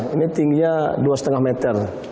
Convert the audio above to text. ini tingginya dua lima meter